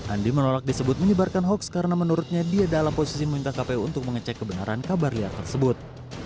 andi menolak disebut menyebarkan hoaks karena menurutnya dia dalam posisi meminta kpu untuk mengecek kebenaran kabar liar tersebut